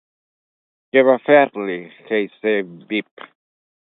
Què va fer-li Heitsieibib?